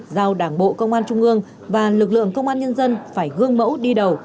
giao đảng bộ công an trung ương và lực lượng công an nhân dân phải gương mẫu đi đầu